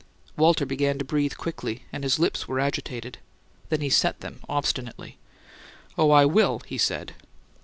Walter began to breathe quickly, and his lips were agitated; then he set them obstinately. "Oh; I will," he said.